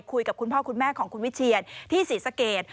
คุณพ่อคุณแม่ของคุณวิเชียนที่ศรีสะเกด